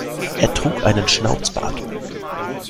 Er trug einen Schnauzbart.